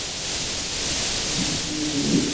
ক্রমে দুনিয়া ছাপিয়ে ফেলতে হবে।